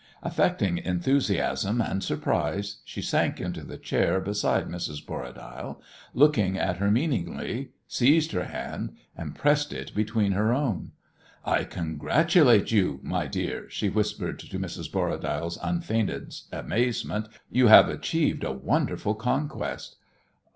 Affecting enthusiasm and surprise, she sank into the chair beside Mrs. Borradaile, looked at her meaningly, seized her hand, and pressed it between her own. "I congratulate you, my dear," she whispered, to Mrs. Borradaile's unfeigned amazement. "You have achieved a wonderful conquest."